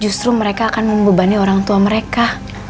justru mereka akan membebani orang tua mereka